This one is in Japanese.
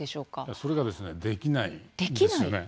それができないんです。